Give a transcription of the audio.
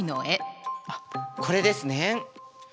あっこれですね。